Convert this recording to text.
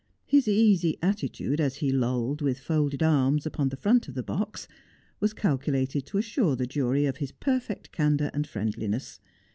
His easy attitude, as he lolled with folded arms upon the front of the box, was calculated to assure the jury of his perfect candour and friendliness